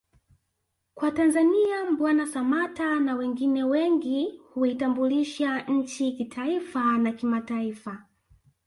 kwa Tanzania Mbwana Samata na wengine wengi uitambulisha nchi kitaifa na kimataifa